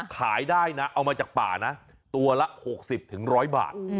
ขายได้นะเอามาจากป่านะตัวละหกสิบถึงร้อยบาท